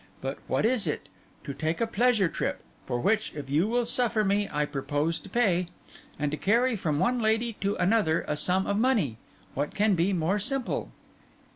But what is it? To take a pleasure trip (for which, if you will suffer me, I propose to pay) and to carry from one lady to another a sum of money! What can be more simple?